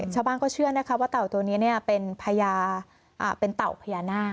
ชาวบ้านก็เชื่อนะคะว่าเต่าตัวนี้เป็นพญาเป็นเต่าพญานาค